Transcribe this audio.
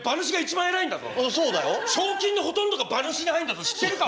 賞金のほとんどが馬主に入るんだぞ知ってるか？